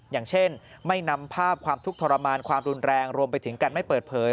อย่างเช่นไม่นำภาพความทุกข์ทรมานความรุนแรงรวมไปถึงการไม่เปิดเผย